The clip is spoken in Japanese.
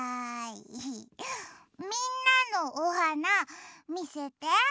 みんなのおはなみせて！